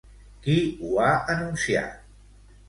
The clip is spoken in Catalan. Qui ho ha anunciat?